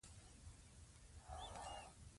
غازي محمد ايوب خان لیسه